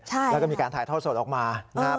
แล้วก็มีการถ่ายทอดสดออกมา